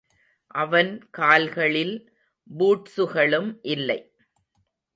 அவன் கால்களில் பூட்ஸுகளும் இல்லை.